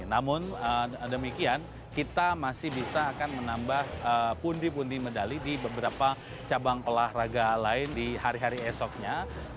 namun demikian kita masih bisa akan menambah pundi pundi medali di beberapa cabang olahraga lain di hari hari esoknya